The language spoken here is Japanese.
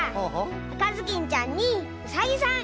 あかずきんちゃんにうさぎさん！